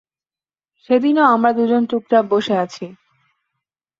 সেদিনও আমরা দুজন চুপচাপ বসে আছি।